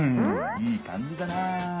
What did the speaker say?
いいかんじだな。